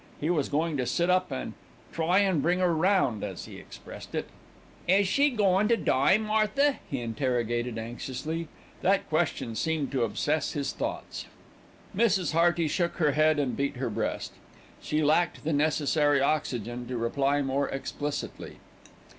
He was going to sit up and "try an' bring 'er round," as he expressed it. "Is she goin' to die, Martha?" he interrogated anxiously. That question seemed to obsess his thoughts. Mrs. Hearty shook her head and beat her breast. She lacked the necessary oxygen to reply more explicitly.